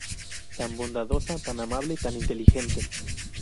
Tan bondadosa, tan amable, tan inteligente.